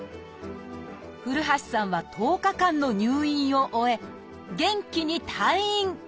古橋さんは１０日間の入院を終え元気に退院！